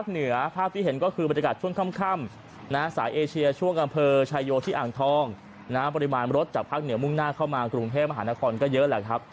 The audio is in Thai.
น้ำปริมาณรถจากภาคเหนือมุ่งหน้าเข้ามากรุงเทพฯมหานครก็เยอะแหละครับ